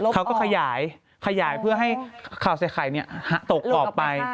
เขาก็ขยายขยายเพื่อให้ข่าวใส่ไข่ตกออกไป